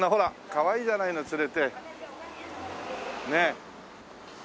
かわいいじゃないの連れてねえ。